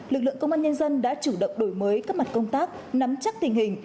lực lượng công an nhân dân đã chủ động đổi mới các mặt công tác nắm chắc tình hình